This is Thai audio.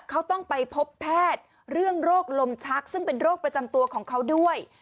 เขาต้องไปพบแพทย์เรื่องโรคลมชักซึ่งเป็นโรคประจำตัวของเขาด้วย